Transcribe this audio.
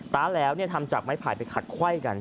ตาแล้วทำจากไม้ไผ่ไปขัดไขว้กัน